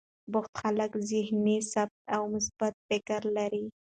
بوخت خلک ذهني ثبات او مثبت فکر لري.